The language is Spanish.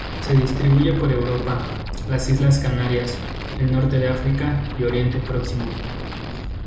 Se distribuye por Europa, las islas Canarias, el norte de África y Oriente Próximo.